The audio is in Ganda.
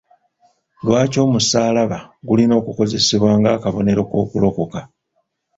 Lwaki omusaalabba gulina okukozesebwa ng'akabonero k'okulokoka?